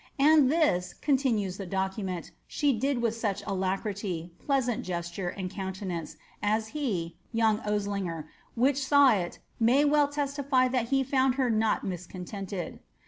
'^^ And this,'' continues the document, '^ she did with such alacrity, pleasant gesture, and countenance, as he (young Osliger), which saw it, may well testify that he found her not miscon tented."